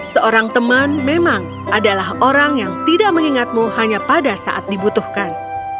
seorang teman memang adalah orang yang tidak mengingatmu hanya pada saat dibutuhkan